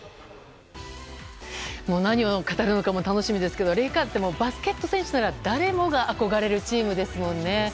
何を語るのかも楽しみですけどレイカーズってバスケット選手なら誰もが憧れるチームですもんね。